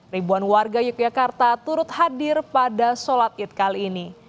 ribuan warga yogyakarta turut hadir pada sholat id kali ini